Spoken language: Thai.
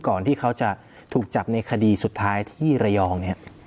ก่อนที่เขาจะถูกจับในคดีสุดท้ายที่ระยองเนี่ย